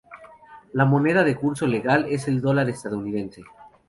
La moneda de curso legal es el dólar estadounidense.